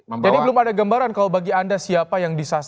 jadi belum ada gembaran kalau bagi anda siapa yang disasarkan